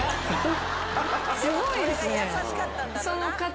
すごいですね。